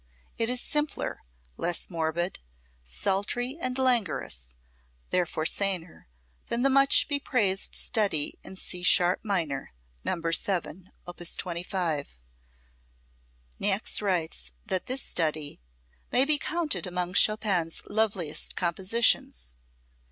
It is simpler, less morbid, sultry and languorous, therefore saner, than the much bepraised study in C sharp minor, No. 7, op. 25. Niecks writes that this study "may be counted among Chopin's loveliest compositions."